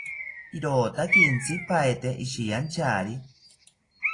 Irotaki intzipaete ishiyanchari